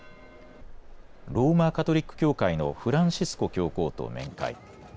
ローマ・カトリック教会のフランシスコ教皇と面会。